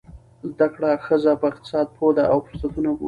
زده کړه ښځه په اقتصاد پوهه ده او فرصتونه ګوري.